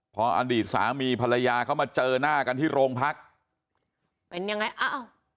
พออดีตสามีภรรยาเขามาเจอหน้ากันที่โรงพักเป็นยังไงอ้าว